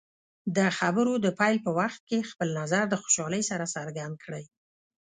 د خبرو د پیل په وخت کې خپل نظر د خوشحالۍ سره څرګند کړئ.